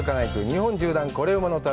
日本縦断コレうまの旅」。